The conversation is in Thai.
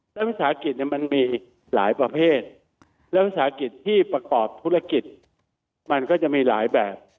รัฐวิทยาศาสตร์กิจมันมีหลายประเภทรัฐวิทยาศาสตร์กิจที่ประกอบธุรกิจมันก็จะมีหลายแบบ